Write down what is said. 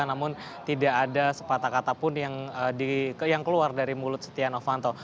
namun tidak ada sepatah kata pun yang keluar dari mulut setia novanto